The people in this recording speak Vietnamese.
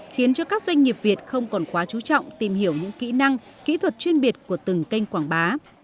khiến cho các doanh nghiệp việt không còn quá chú trọng tìm hiểu những kỹ năng kỹ thuật chuyên biệt của từng kênh quảng bá